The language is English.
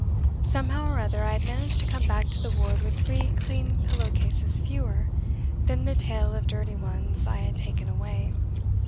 Somehow or other I had managed to come back to the ward with three clean pillow cases fewer than the tale of dirty ones I had taken away.